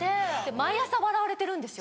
毎朝笑われてるんですよ